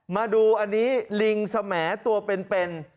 มาดูอันนี้ลิงสแหมดตัวเป็น